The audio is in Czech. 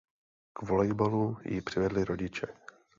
K volejbalu jí přivedli rodiče.